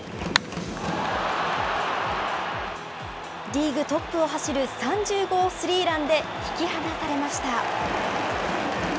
リーグトップを走る３０号スリーランで引き離されました。